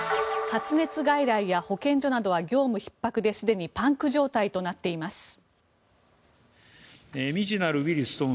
発熱外来や保健所などは業務ひっ迫ですでにパンク状態となっています。